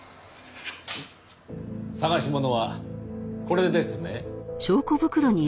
捜し物はこれですね？